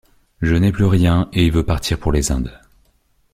Je n’ai plus rien, et veux partir pour les Indes.